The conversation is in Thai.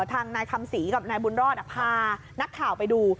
ทางนายคำศรีกับนายบุญรอดพานักข่าวไปดู